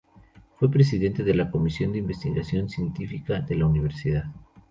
Fue Presidente de la Comisión de Investigación Científica de la Universidad.